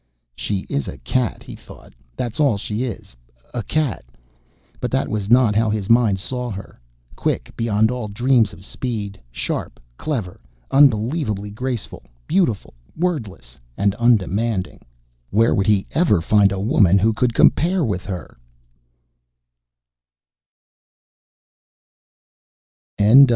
"She is a cat," he thought. "That's all she is a cat!" But that was not how his mind saw her quick beyond all dreams of speed, sharp, clever, unbelievably graceful, beautiful, wordless and undemanding. Where would he ever find a woman who could compare with her?